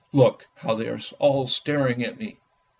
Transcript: Look, how they are all staring at me!